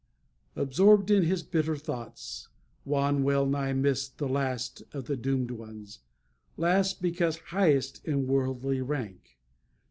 Absorbed in his bitter thoughts, Juan well nigh missed the last of the doomed ones last because highest in worldly rank.